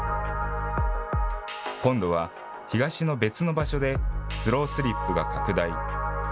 今度は東の別の場所でスロースリップが拡大。